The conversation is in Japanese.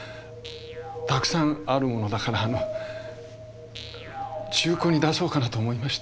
たくさんあるものだからあの中古に出そうかなと思いまして。